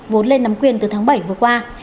vốn lên nắm quyền từ tháng bảy vừa qua